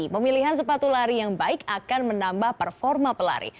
pemilihan sepatu lari yang baik akan menambah performa pelari